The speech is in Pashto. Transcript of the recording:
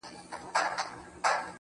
خو هيله زما هر وخت په نفرت له مينې ژاړي_